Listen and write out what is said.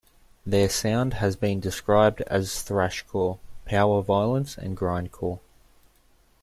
Their sound has been described as thrashcore, power violence and grindcore.